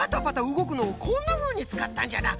うごくのをこんなふうにつかったんじゃな。